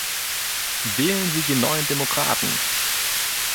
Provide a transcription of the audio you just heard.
Wählen Sie die neuen Demokraten!